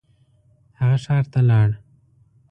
هغه ښار ته لاړ.